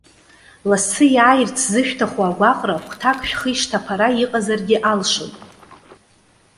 Лассы иааирц ззышәҭаху агәаҟра, хәҭак шәхы ишҭаԥара иҟазаргьы алшоит.